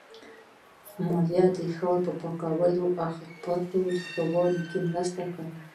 مالیه د ښار د پاکوالي او خدماتو په ښه والي کې مرسته کوي.